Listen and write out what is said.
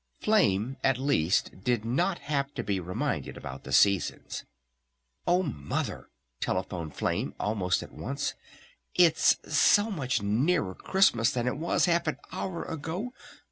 Flame at least did not have to be reminded about the Seasons. "Oh mother!" telephoned Flame almost at once, "It's so much nearer Christmas than it was half an hour ago!